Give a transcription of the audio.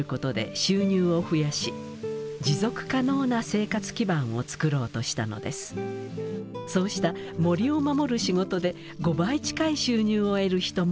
そうした森を守る仕事で５倍近い収入を得る人も現れました。